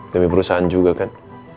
demi perusahaan juga kan